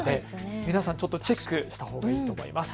皆さんチェックしたほうがいいと思います。